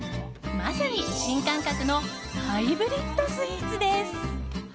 まさに新感覚のハイブリッドスイーツです。